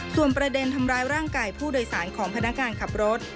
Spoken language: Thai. ส่วนประเด็นทำร้ายร่างกายผู้โดยสารของพนักงานขับรถ